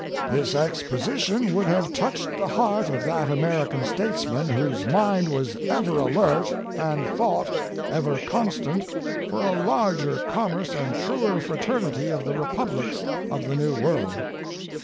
This exposition would have touched the heart of that American statesman whose mind was ever alert and thought ever constant for a larger com merce and a truer fraternity of the republics of the New World.